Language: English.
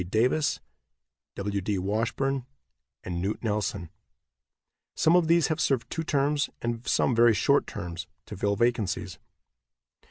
Davis, W. D. Washburn and Knute Nelson. Some of these have served two terms, and some very short terms, to fill vacancies.